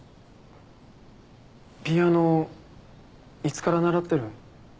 ピアノいつから習ってるん？